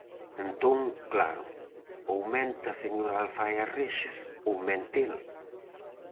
Entón, claro, ou mente a señora Alfaia Rexes ou mente el.